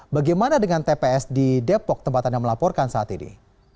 bagaimana dengan tps di depok tempat anda melaporkan saat ini